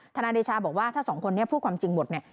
นายเดชาบอกว่าถ้าสองคนนี้พูดความจริงหมดเนี่ย